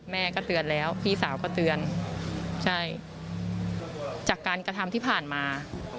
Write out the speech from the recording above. แม่ก็เตือนแล้วพี่สาวก็เตือนใช่จากการกระทำที่ผ่านมา